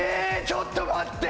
⁉ちょっと待って！